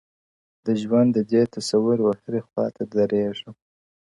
د ژوند د دې تصوير و هري خوا ته درېږم”